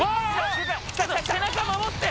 背中守って！